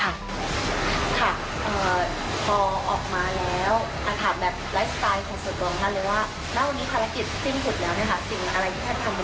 ค่ะพอออกมาแล้วแบบไลฟ์สไตล์ของสัตว์